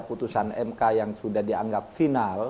putusan mk yang sudah dianggap final